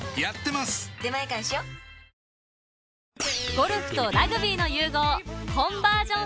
ゴルフとラグビーの融合